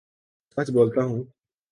سچ بولتا ہوں